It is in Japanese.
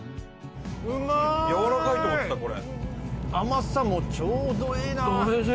やわらかいと思ってたこれ。